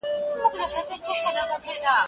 زه به خپله څېړنه په یوازې ځان وکړم.